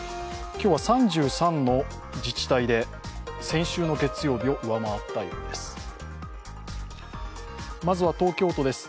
今日は３３の自治体で先週の月曜日を上回ったようです。